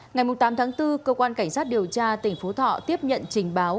ngày tám tháng bốn cơ quan cảnh sát điều tra tỉnh phú thọ tiếp nhận trình báo